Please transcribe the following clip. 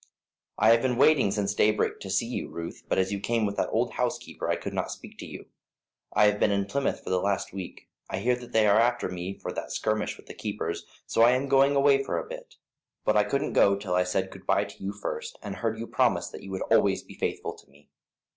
"I have been waiting since daybreak to see you, Ruth, but as you came with that old housekeeper I could not speak to you. I have been in Plymouth for the last week. I hear that they are after me for that skirmish with the keepers, so I am going away for a bit, but I couldn't go till I said good bye to you first, and heard you promise that you would always be faithful to me."